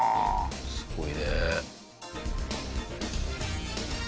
すごいね。